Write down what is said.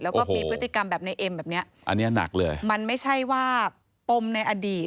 แล้วก็มีพฤติกรรมแบบนายเอ็มแบบนี้มันไม่ใช่ว่าปมในอดีต